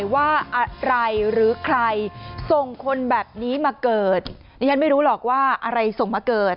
ว่าอะไรหรือใครส่งคนแบบนี้มาเกิดดิฉันไม่รู้หรอกว่าอะไรส่งมาเกิด